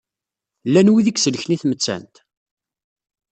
Llan wid i iselken i tmettant?